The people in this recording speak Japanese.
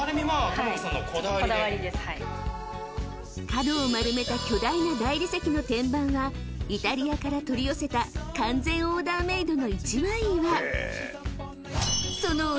［角を丸めた巨大な大理石の天板はイタリアから取り寄せた完全オーダーメードの一枚岩］